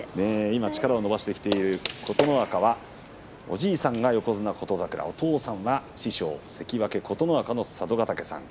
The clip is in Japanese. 今、力を伸ばしてきている琴ノ若、おじいさんが横綱琴櫻、お父さんが師匠の関脇琴ノ若の佐渡ヶ嶽さん